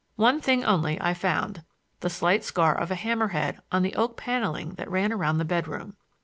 One thing only I found—the slight scar of a hammer head on the oak paneling that ran around the bedroom.